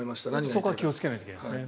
そこは気をつけないといけないですね。